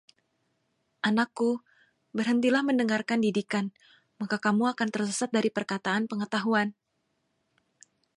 Anakku, berhentilah mendengarkan didikan, maka kamu akan tersesat dari perkataan pengetahuan.